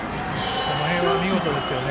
この辺は見事ですね。